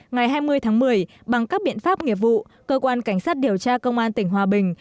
ngày hai mươi tháng một mươi bằng các biện pháp nghiệp vụ cơ quan cảnh sát điều tra công an tỉnh hòa bình